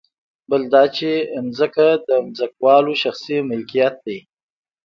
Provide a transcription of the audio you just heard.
بل دا چې ځمکه د ځمکوالو شخصي ملکیت دی